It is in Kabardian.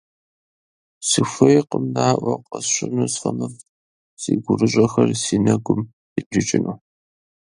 Сыхуейкъым наӀуэ къэсщӀыну сфӀэмыфӀ си гурыщӀэхэр си нэгум къибджыкӀыну.